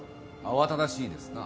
慌ただしいですな。